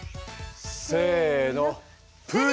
せのプリン！